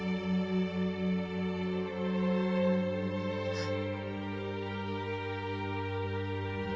はい。